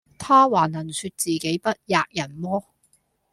他還能説自己不喫人麼？